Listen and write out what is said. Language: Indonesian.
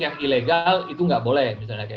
yang ilegal itu nggak boleh